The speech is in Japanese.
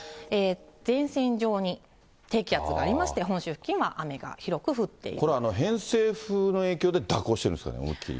前線上に低気圧がありまして、これ偏西風の影響で蛇行してるんですかね、思いっきり。